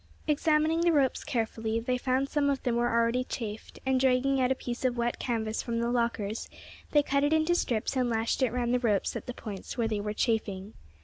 Examining the ropes carefully, they found some of them were already chafed, and, dragging out a piece of wet canvas from the lockers, they cut it into strips and lashed it round the ropes at the points where they were chafing.